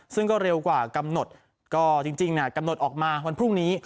ซึ่งก็เร็วกว่ากำหนดก็จริงกำหนดออกมาวันพรุ่งนี้